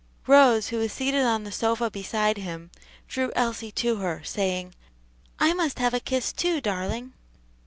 Rose, who was seated on the sofa beside him, drew Elsie to her, saying, "I must have a kiss, too, darling."